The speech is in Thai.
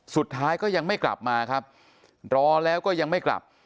สุดท้ายก็ยังไม่กลับมาครับรอแล้วก็ยังไม่กลับ